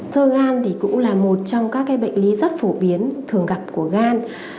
sơ gan thì cũng là một trong các bệnh lý rất phổ biến thường gặp của gan